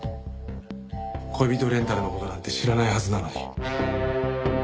恋人レンタルの事なんて知らないはずなのに。